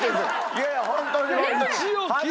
いやいやホントにホントに。